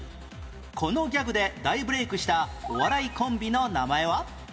このギャグで大ブレークしたお笑いコンビの名前は？